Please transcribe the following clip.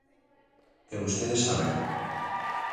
E vostedes sábeno.